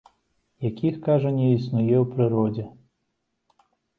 Якіх, кажа, не існуе ў прыродзе.